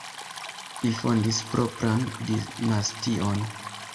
Li fondis propran dinastion.